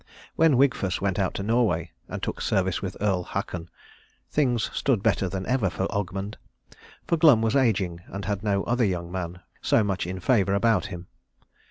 When Wigfus went out to Norway and took service with Earl Haakon things stood better than ever for Ogmund; for Glum was ageing and had no other young man so much in favour about him.